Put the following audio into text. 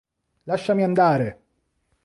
Lasciami andare!